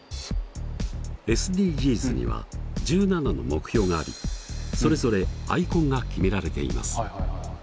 ＳＤＧｓには１７の目標がありそれぞれアイコンが決められています。